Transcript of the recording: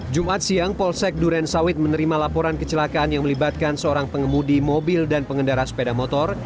jumat siang polsek duren sawit menerima laporan kecelakaan yang melibatkan seorang pengemudi mobil dan pengendara sepeda motor